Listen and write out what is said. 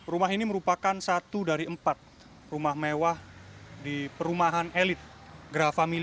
rumah ini merupakan satu dari empat rumah mewah di perumahan elit grafamili